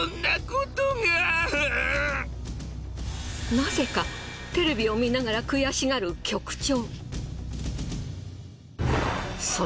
なぜかテレビを観ながら悔しがる局長。